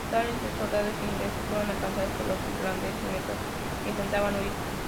Centenares de soldados ingleses fueron alcanzados por los irlandeses mientras intentaban huir.